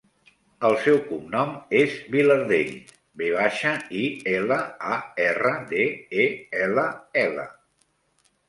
El seu cognom és Vilardell: ve baixa, i, ela, a, erra, de, e, ela, ela.